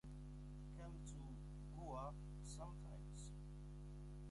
Come to Goa sometimes.